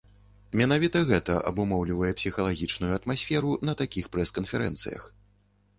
Менавіта гэта абумоўлівае псіхалагічную атмасферу на такіх прэс-канферэнцыях.